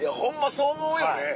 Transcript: そう思うよね。